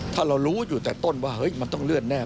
ถ้าเรารู้อยู่แต่ต้นว่าเฮ้ยมันต้องเลื่อนแน่